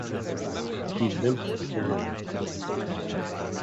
He limped away.